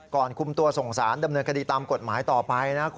คุมตัวส่งสารดำเนินคดีตามกฎหมายต่อไปนะ